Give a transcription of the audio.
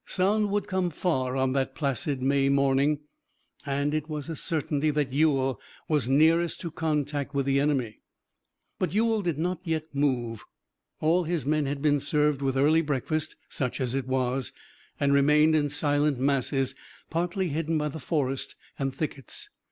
Sound would come far on that placid May morning, and it was a certainty that Ewell was nearest to contact with the enemy. But Ewell did not yet move. All his men had been served with early breakfast, such as it was, and remained in silent masses, partly hidden by the forest and thickets.